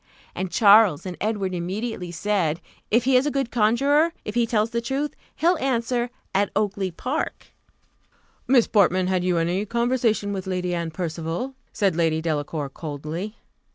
_" And Charles and Edward immediately said, "if he is a good conjuror, if he tells truth, he'll answer, 'At Oakly park.'" "Miss Portman, had you any conversation with Lady Anne Percival?" said Lady Delacour, coldly.